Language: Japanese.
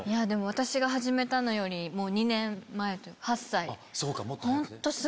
私が始めたのより２年前８歳。